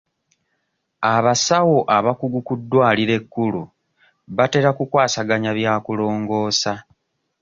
Abasawo abakugu ku ddwaliro ekkulu batera ku kwasaganya bya kulongoosa.